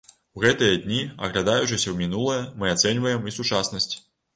У гэтыя дні, аглядаючыся ў мінулае, мы ацэньваем і сучаснасць.